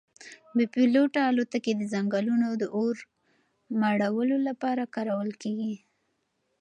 بې پیلوټه الوتکې د ځنګلونو د اور مړولو لپاره کارول کیږي.